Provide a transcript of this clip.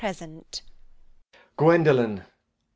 GWENDOLEN.